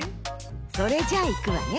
それじゃいくわね。